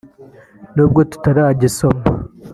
nubwo tutaragisoma